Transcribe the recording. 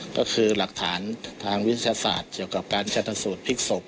ก็คือหลักฐานทางวิทยาศาสตร์เกี่ยวกับการชนสูตรพลิกศพ